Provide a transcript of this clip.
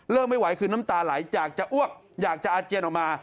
ไม่ไหวคือน้ำตาไหลอยากจะอ้วกอยากจะอาเจียนออกมา